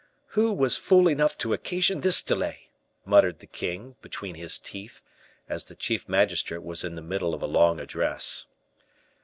"Who was fool enough to occasion this delay?" muttered the king, between his teeth, as the chief magistrate was in the middle of a long address.